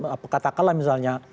apa katakanlah misalnya